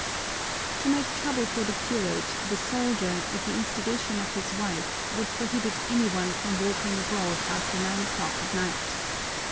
To make trouble for the curate, the soldier, at the instigation of his wife, would prohibit any one from walking abroad after nine o'clock at night.